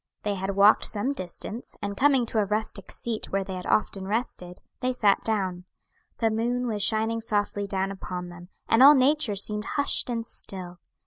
They had walked some distance, and coming to a rustic seat where they had often rested, they sat down. The moon was shining softly down upon them, and all nature seemed hushed and still.